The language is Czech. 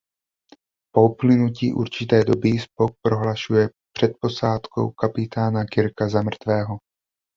Po uplynutí určité doby Spock prohlašuje před posádkou kapitána Kirka za mrtvého.